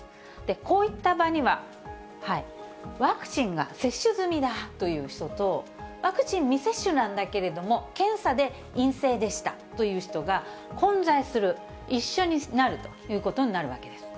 こういった場には、ワクチンが接種済みだという人と、ワクチン未接種なんだけれども、検査で陰性でしたという人が混在する、一緒になるということになるわけです。